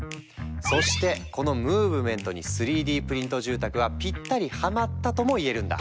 そしてこのムーブメントに３Ｄプリント住宅はぴったりハマったともいえるんだ。